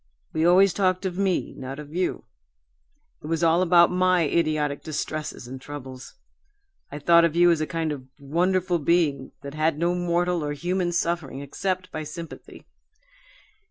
We always talked of me, not of you. It was all about my idiotic distresses and troubles. I thought of you as a kind of wonderful being that had no mortal or human suffering except by sympathy.